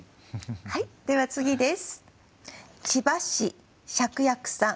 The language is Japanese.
はいでは次です。